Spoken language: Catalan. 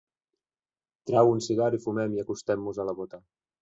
Trau un cigar i fumem i acostem-mos a la bota.